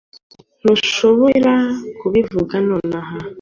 Ntushobora kubivuga nonaha